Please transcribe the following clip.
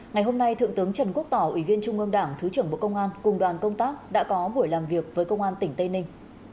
ngày hôm nay thượng tướng trần quốc tỏ ủy viên trung ương đảng thứ trưởng bộ công an cùng đoàn công tác đã có buổi làm việc với công an tỉnh tây ninh